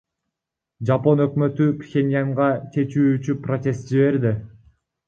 Жапон өкмөтү Пхеньянга чечүүчү протест жиберди.